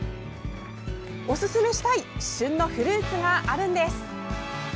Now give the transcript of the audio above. おすすめしたい旬のフルーツがあるんです。